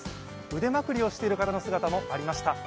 腕まくりをしている方の姿もありました。